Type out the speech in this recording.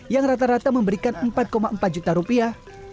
yang rata rata memberikan empat empat juta rupiah